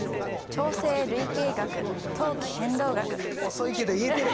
遅いけど言えてる。